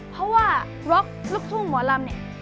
เพราะว่าบล็อกลูกทุ่งหมอลำเนี่ย